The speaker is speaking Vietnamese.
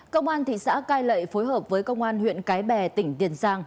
công an thị xã cai lệ phối hợp với công an huyện cái bè tỉnh tiền giang